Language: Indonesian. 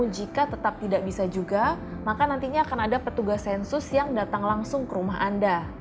jika tetap tidak bisa juga maka nantinya akan ada petugas sensus yang datang langsung ke rumah anda